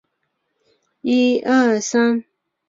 下午初段香港普遍地区受到东北强风影响。